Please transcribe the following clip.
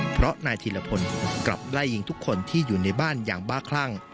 เพราะนายธีรพลกลับไล่ยิงทุกคนที่อยู่ในบ้านอย่างบ้าคลั่ง